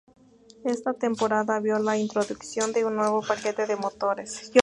Esta temporada vio la introducción de un nuevo paquete de motores.